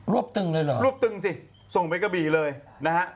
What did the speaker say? วบตึงเลยเหรอรวบตึงสิส่งไปกระบี่เลยนะฮะ